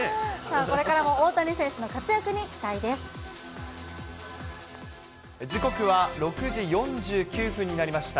これからの大谷選手の活躍に時刻は６時４９分になりました。